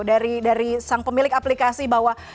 dari sang pemilik aplikasi bahwa